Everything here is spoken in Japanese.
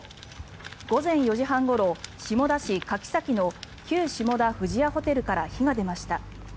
午前４時半ごろ下田市柿崎の旧下田富士屋ホテルから火が出ました。